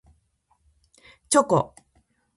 チョコ